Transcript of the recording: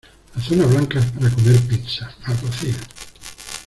La zona blanca es para comer pizza ¡ Alguacil!